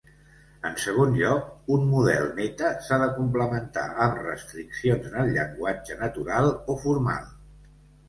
En segon lloc, un model meta s'ha de complementar amb restriccions en el llenguatge natural o formal.